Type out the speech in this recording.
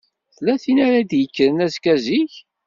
Tella tin ara d-yekkren azekka zik?